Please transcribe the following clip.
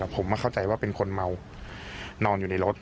ผมมาเข้าใจว่าเป็นคนเมานอนอยู่ในรถ